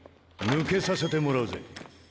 抜けさせてもらうぜ。